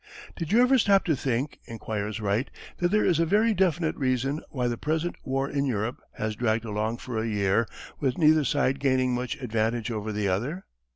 "Did you ever stop to think," inquires Wright, "that there is a very definite reason why the present war in Europe has dragged along for a year with neither side gaining much advantage over the other?